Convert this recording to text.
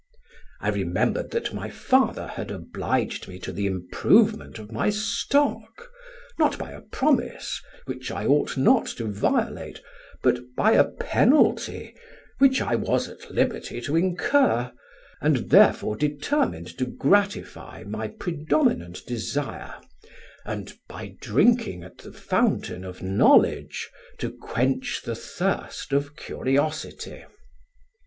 "I remembered that my father had obliged me to the improvement of my stock, not by a promise, which I ought not to violate, but by a penalty, which I was at liberty to incur; and therefore determined to gratify my predominant desire, and, by drinking at the fountain of knowledge, to quench the thirst of curiosity.